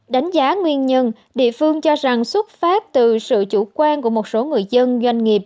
đánh giá nguyên nhân địa phương cho rằng xuất phát từ sự chủ quan của một số người dân doanh nghiệp